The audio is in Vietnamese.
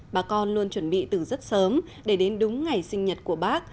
bà con luôn chuẩn bị từ rất sớm để đến đúng ngày sinh nhật của bác